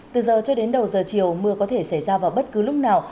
từ giờ cho đến đầu giờ chiều mưa có thể xảy ra vào bất cứ lúc nào